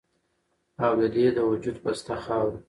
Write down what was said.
او د دې د وجود پسته خاوره